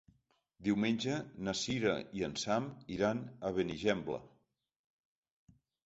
Diumenge na Cira i en Sam iran a Benigembla.